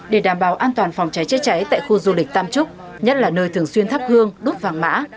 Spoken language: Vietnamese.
để đảm bảo an toàn phòng cháy chữa cháy tại khu du lịch tam trúc nhất là nơi thường xuyên thắp hương đốt vàng mã